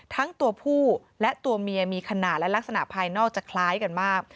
ทั้งตัวผู้และตัวเมียมีขนาดและลักษณะภายนอกจะคล้ายกันมาก